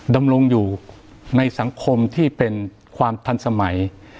ดำรงอยู่ในสังคมที่เป็นความทันสมัย